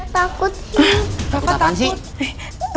takut apaan sih